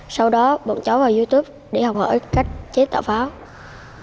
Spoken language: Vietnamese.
sau đó bọn cháu vào youtube để học hỏi cách chế tạo pháo